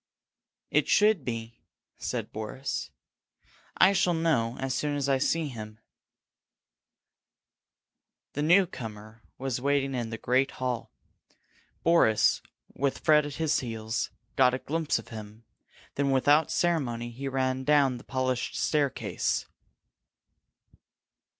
"It should be," said Boris. "I shall know as soon as I see him." The newcomer was waiting in the great hall. Boris, with Fred at his heels, got a glimpse of him; then without ceremony he ran down the polished staircase.